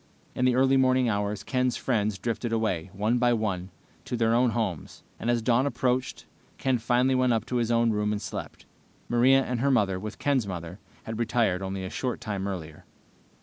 In the early morning hours Ken's friends drifted away, one by one, to their own homes, and as dawn approached, Ken finally went up to his own room and slept. Maria and her mother, with Ken's mother, had retired only a short time earlier.